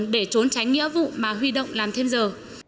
để trốn tránh nghĩa vụ mà huy động làm thêm giờ